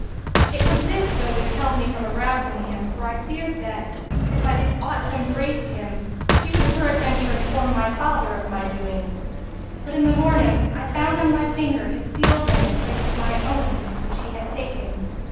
It was this though withheld me from arousing him, for I feared that, if I did aught of embraced him, he would peradventure inform my father of m, doings. But in the morning, I found on my finger his seal ring, in place of my own which he had taken.